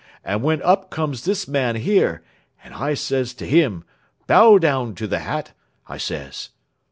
And then up comes this man here, and I says to him 'Bow down to the hat,' I says.